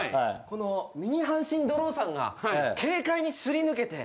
このミニ阪神ドローンさんが軽快に擦り抜けて。